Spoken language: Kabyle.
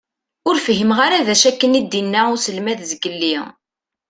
Ur fhimeɣ ara d acu akken i d-inna uselmad zgelli.